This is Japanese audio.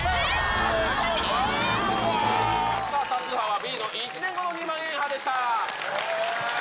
多数派はＢの１年後の２万円派でした。